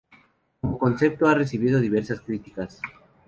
Como concepto ha recibido diversas críticas.